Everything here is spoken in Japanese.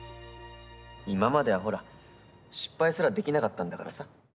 今まではほら、失敗すらできなかったんだからさ。